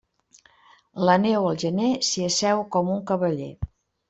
La neu al gener, s'hi asseu com un cavaller.